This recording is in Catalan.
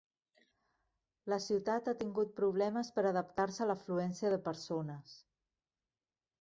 La ciutat ha tingut problemes per adaptar-se a l'afluència de persones.